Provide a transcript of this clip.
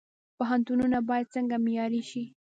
پوهنتونونه باید څنګه معیاري شي؟